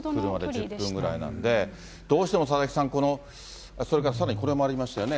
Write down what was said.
車で１０分ぐらいなので、どうしても佐々木さん、この、それからさらにこれもありましたよね。